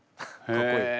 かっこいい！